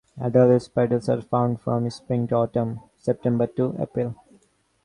Adult spiders are found from spring to autumn (September to April).